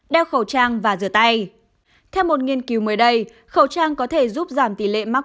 đeo khẩu trang và rửa tay theo một nghiên cứu mới đây khẩu trang có thể giúp giảm tỷ lệ mắc